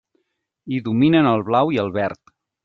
Hi dominen el blau i el verd.